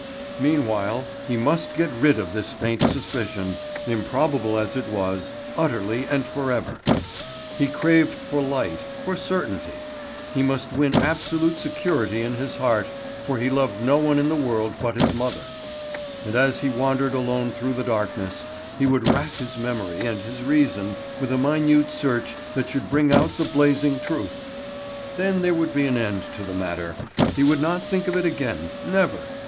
Meanwhile he must get rid of this faint suspicion, improbable as it was, utterly and forever. He craved for light, for certainty—he must win absolute security in his heart, for he loved no one in the world but his mother. And as he wandered alone through the darkness he would rack his memory and his reason with a minute search that should bring out the blazing truth. Then there would be an end to the matter; he would not think of it again—never.